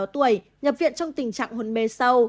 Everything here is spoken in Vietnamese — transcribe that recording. một mươi sáu tuổi nhập viện trong tình trạng hồn mê sâu